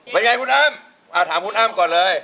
เป็นไงคุณอ้ำถามคุณอ้ำก่อนเลย